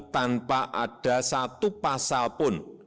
tanpa ada satu pasal pun